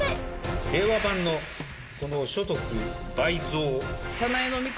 令和版の、この所得倍増。